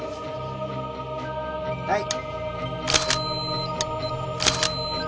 はい。